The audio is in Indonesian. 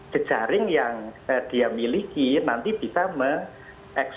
jejaring yang dia miliki nanti bisa mengeks